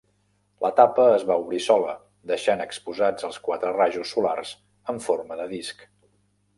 La tapa es va obrir sola, deixant exposats els quatre rajos solars en forma de disc.